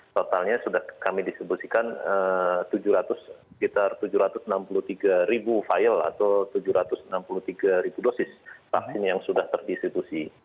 totalnya sudah kami distribusikan sekitar tujuh ratus enam puluh tiga ribu file atau tujuh ratus enam puluh tiga dosis vaksin yang sudah terdistribusi